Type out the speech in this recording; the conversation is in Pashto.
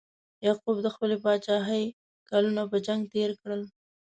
یعقوب د خپلې پاچاهۍ کلونه په جنګ تیر کړل.